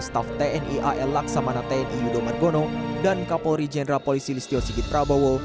staf tni al laksamana tni yudo margono dan kapolri jenderal polisi listio sigit prabowo